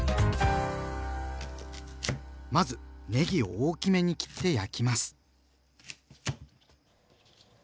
まずねぎを大きめに切って焼きます。